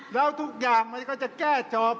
แล้วทุกอย่างมันก็จะแก้จบ